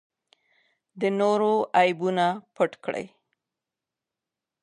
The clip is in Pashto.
د نورو عیبونه پټ کړئ.